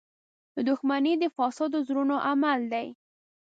• دښمني د فاسدو زړونو عمل دی.